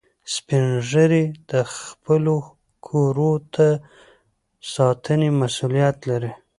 سپین ږیری د خپلو کورو د ساتنې مسئولیت لري